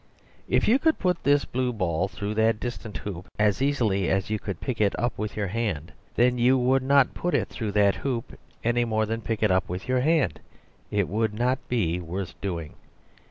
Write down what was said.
If you could put this blue ball through that distant hoop as easily as you could pick it up with your hand, then you would not put it through that hoop any more than you pick it up with your hand; it would not be worth doing.